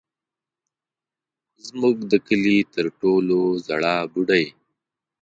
زموږ د کلي تر ټولو زړه بوډۍ.